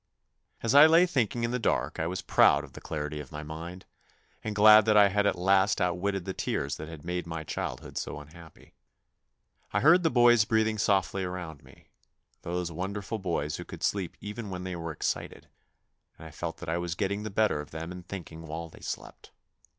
As I lay thinking in the dark I was proud of the clarity of my mind, and glad that I had at last outwitted the tears that had made my childhood so unhappy. I heard the boys breathing softly around me those wonderful boys who could sleep even when they were excited and I felt that I was getting the better of them in thinking while they slept.